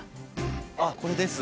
あっこれです。